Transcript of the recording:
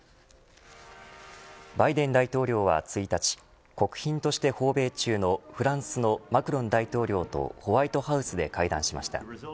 バイデン大統領は１日国賓として訪米中のフランスのマクロン大統領とホワイトハウスで会談しました。